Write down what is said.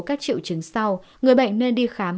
các triệu chứng sau người bệnh nên đi khám